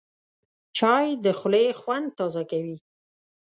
چای د خولې خوند تازه کوي